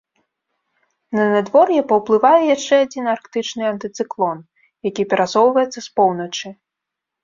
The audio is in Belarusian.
На надвор'е паўплывае яшчэ адзін арктычны антыцыклон, які перасоўваецца з поўначы.